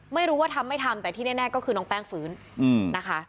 ไม่รู้ว่าทำไม่ทำแต่ที่แน่ก็คือน้องแป้งฟื้นนะคะ